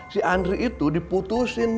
si andri itu diputusin